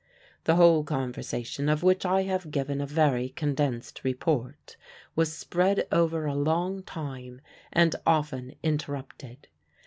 The whole conversation, of which I have given a very condensed report, was spread over a long time, and often interrupted.